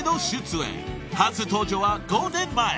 ［初登場は５年前］